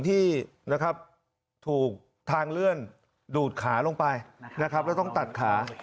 ที่ถูกทางเลื่อนดูดขาลงไปแล้วต้องตัดขา